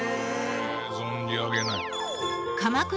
存じ上げない。